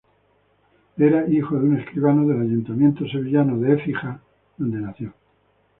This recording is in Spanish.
Era hijo de un escribano del Ayuntamiento de sevillana de Écija, donde nació.